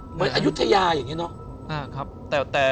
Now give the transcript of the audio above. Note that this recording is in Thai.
เหมือนอายุทยาอย่างนี้เนอะ